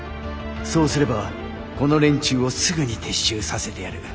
そうすればこの連中をすぐに撤収させてやる。